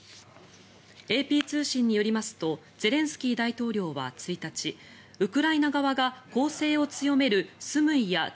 ＡＰ通信によりますとゼレンスキー大統領は１日ウクライナ側が攻勢を強めるスムイや